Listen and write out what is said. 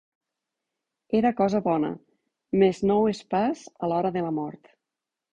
Era cosa bona, més no ho és pas a l’hora de la mort.